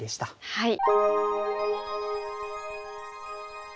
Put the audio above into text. はい。